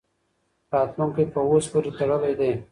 راتلونکی په اوس پوري تړلی دی.